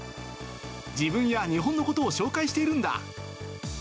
自分や日本のことを紹介しているんだ。